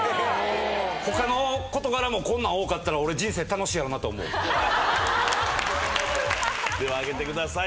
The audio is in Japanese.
他の事柄もこんなん多かったら俺人生楽しいやろなと思うではあげてください